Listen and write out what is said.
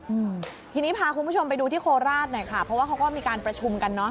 อืมทีนี้พาคุณผู้ชมไปดูที่โคราชหน่อยค่ะเพราะว่าเขาก็มีการประชุมกันเนอะ